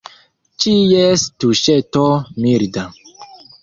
Ĉies tuŝeto – milda.